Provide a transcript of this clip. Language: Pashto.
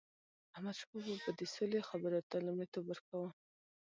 احمدشاه بابا به د سولي خبرو ته لومړیتوب ورکاوه.